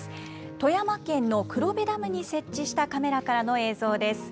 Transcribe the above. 富山県の黒部ダムに設置したカメラからの映像です。